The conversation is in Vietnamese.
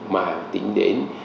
mà tính đến